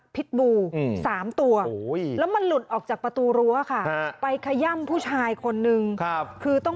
พิษบู๓ตัวแล้วมันหลุดออกจากประตูรั้วค่ะไปขย่ำผู้ชายคนนึงคือต้อง